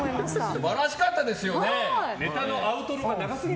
素晴らしかったですよね。